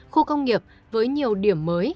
khu công nghiệp với nhiều điểm mới